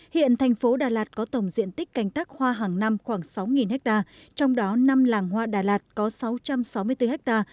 hiện thành phố đà lạt có tổng diện tích canh tác hoa hàng năm khoảng sáu ha trong đó năm làng hoa đà lạt có sáu trăm sáu mươi bốn ha